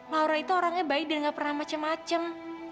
laura itu orangnya bayi dan gak pernah macem macem